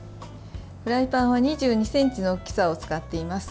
フライパンは２２ｃｍの大きさを使っています。